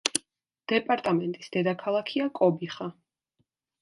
დეპარტამენტის დედაქალაქია კობიხა.